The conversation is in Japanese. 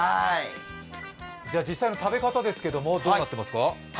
実際の食べ方ですけどどうなってますか？